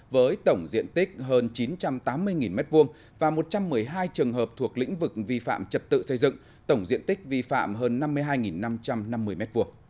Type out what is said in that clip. với tổng diện tích hơn chín trăm tám mươi m hai và một trăm một mươi hai trường hợp thuộc lĩnh vực vi phạm trật tự xây dựng tổng diện tích vi phạm hơn năm mươi hai năm trăm năm mươi m hai